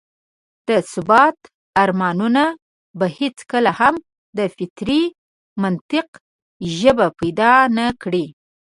د ثبات ارمانونه به هېڅکله هم د فطري منطق ژبه پيدا نه کړي.